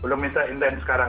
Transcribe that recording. belum se intens sekarang